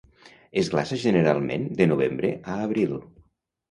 Es glaça generalment de novembre a abril.